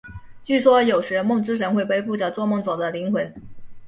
据说有时梦之神会背负着做梦者的灵魂。